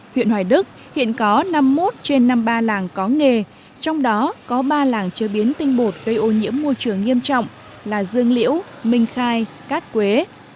huyện hoài đức hiện có năm mươi một trên năm mươi ba làng có nghề trong đó có ba làng chế biến tinh bột gây ô nhiễm môi trường nghiêm trọng là dương liễu minh khai cát quế